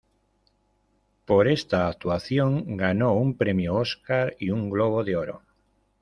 Por esta actuación ganó un Premio Óscar y un Globo de Oro.